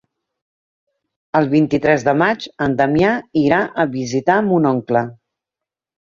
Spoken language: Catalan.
El vint-i-tres de maig en Damià irà a visitar mon oncle.